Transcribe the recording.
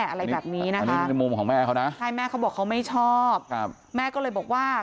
อะไรแบบนี้นะคะแม่เขาบอกเขาไม่ชอบแม่ก็เลยบอกว่า